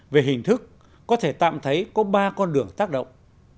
về hình thức có thể tạm thấy có ba con đường tác động